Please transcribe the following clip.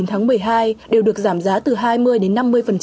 một mươi chín tháng một mươi hai đều được giảm giá từ hai mươi đến năm mươi